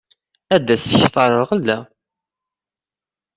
Ad as-d-tketteṛ lɣella.